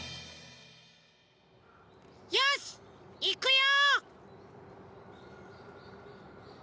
よしいくよ！